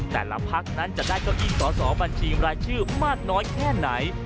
แต่ละพักนั้นจะได้เก้าอี้สอสอบัญชีรายชื่อมากน้อยแค่ไหน